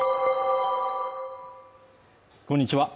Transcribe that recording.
こんにちは